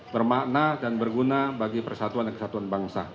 bermakna dan berguna bagi persatuan dan kesatuan bangsa